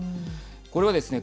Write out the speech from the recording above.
これはですね